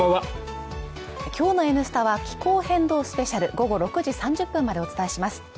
今日の「Ｎスタ」は気候変動スペシャル、午後６時３０分までお伝えします。